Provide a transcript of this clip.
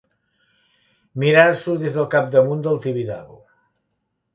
Mirar-s'ho des del capdamunt del Tibidabo.